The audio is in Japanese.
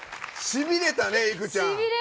しびれたね、いくちゃん。